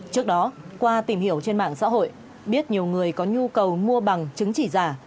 trước đó qua tìm hiểu trên mạng xã hội biết nhiều người có nhu cầu mua bằng chứng chỉ giả